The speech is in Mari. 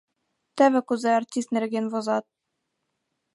Теве кузе артист нерген возат.